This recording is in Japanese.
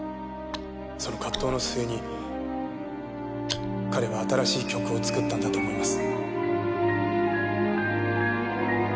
その葛藤の末に彼は新しい曲を作ったんだと思います。